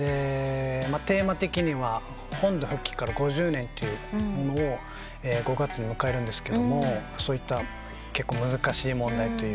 テーマ的には本土復帰から５０年というものを５月に迎えるんですけどもそういった結構難しい問題というか。